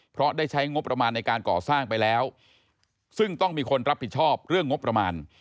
เพราะได้ใช้งบประมาณในการก่อสร้างไปแล้วซึ่งต้องมีคนรับผิดชอบเรื่องงบประมาณ